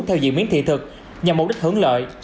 theo diễn biến thị thực nhằm mục đích hưởng lợi